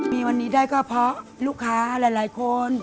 มีวันนี้ได้ก็เพราะลูกค้าหลายคน